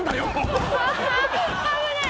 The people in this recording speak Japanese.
危ない！